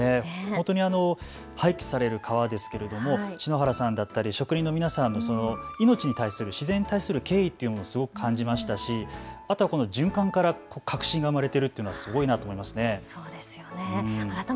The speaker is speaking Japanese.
本当に廃棄される革ですが篠原さんだったり職人の皆さんの生命に対する、自然に対する敬意というのもすごく感じましたし、あと循環から革新が生まれているというのはすごいなと感じました。